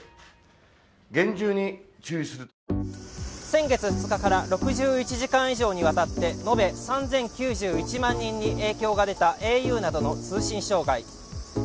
先月２日から６１時間以上にわたって延べ３０９１万人に影響が出たａｕなどの通信障害。